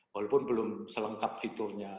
walaupun belum selengkap fiturnya